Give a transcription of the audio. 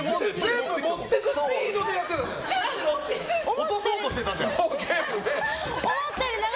全部持ってくスピードで落そうとしてたじゃん。